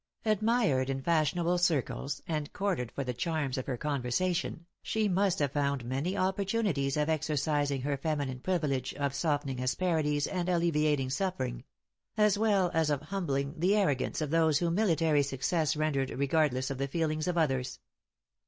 Admired in fashionable circles, and courted for the charms of her conversation, she must have found many opportunities of exercising her feminine privilege of softening asperities and alleviating suffering as well as of humbling the arrogance of those whom military success rendered regardless of the feelings of others.